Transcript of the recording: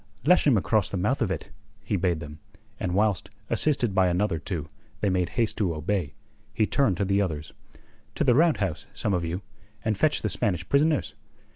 "Lash him across the mouth of it," he bade them, and whilst, assisted by another two, they made haste to obey, he turned to the others. "To the roundhouse, some of you, and fetch the Spanish prisoners.